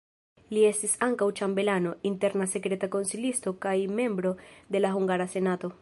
Li estis ankaŭ ĉambelano, interna sekreta konsilisto kaj membro de la hungara senato.